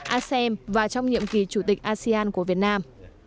asem và trong nhiệm kỳ chủ tịch asean của việt nam